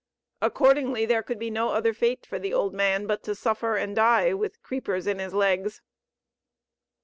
Accordingly there could be no other fate for the old man but to suffer and die with creepers in his legs."